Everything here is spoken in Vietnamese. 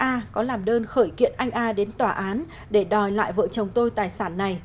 a có làm đơn khởi kiện anh a đến tòa án để đòi lại vợ chồng tôi tài sản này